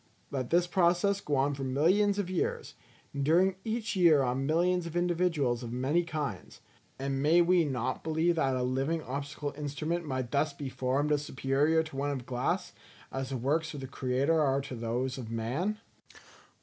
Let this process go on for millions of years; and during each year on millions of individuals of many kinds; and may we not believe that a living optical instrument might thus be formed as superior to one of glass, as the works of the Creator are to those of man?